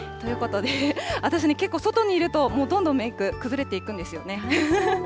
ということで、私ね、結構外にいるともうどんどんメーク、崩れていくんですよね。